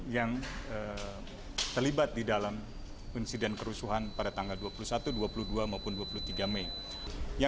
yang terlibat di dalam insiden kerusuhan pada tanggal dua puluh satu dua puluh dua maupun dua puluh tiga mei